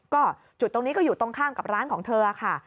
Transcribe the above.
ก็จุดตรงนี้ก็อยู่ตรงข้ามกับร้านของเธอค่ะ